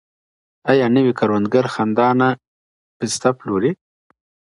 ایا نوي کروندګر خندانه پسته پلوري؟